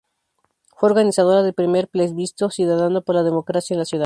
Fue organizadora del primer plebiscito ciudadano por la democracia en la ciudad.